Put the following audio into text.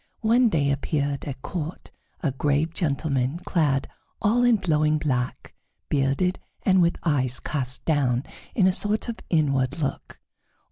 One day appeared at court a grave gentleman clad all in flowing black, bearded, and with eyes cast down in a sort of inward look.